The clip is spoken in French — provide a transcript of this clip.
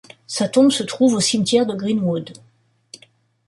Sa tombe se trouve au cimetière de Green-Wood.